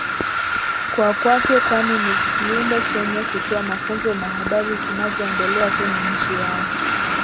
kwa kwake kwani Ni Kiumbe chenye kutoa mafunzo na habari zinazoendelea kwenye nchi yao